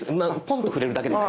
ポンと触れるだけで。